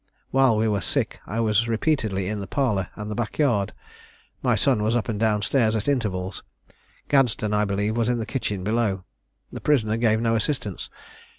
While we were sick I was repeatedly in the parlour and the back yard. My son was up and down stairs at intervals; Gadsden, I believe, was in the kitchen below. The prisoner gave no assistance.